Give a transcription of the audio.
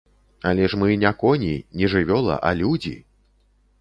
Але ж мы не коні, не жывёла, а людзі!